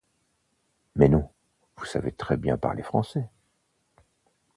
Mais non, vous savez très bien parler français.